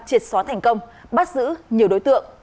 triệt xóa thành công bắt giữ nhiều đối tượng